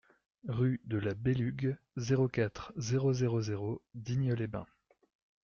Rue de la Belugue, zéro quatre, zéro zéro zéro Digne-les-Bains